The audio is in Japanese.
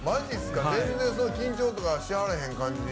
全然緊張とかしはらへん感じ。